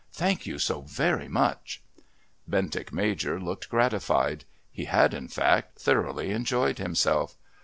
Thank you so very much." Bentinck Major looked gratified. He had, in fact, thoroughly enjoyed himself.